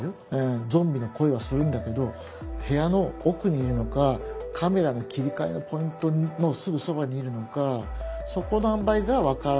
ゾンビの声はするんだけど部屋の奥にいるのかカメラの切り替えのポイントのすぐそばにいるのかそこのあんばいが分からない。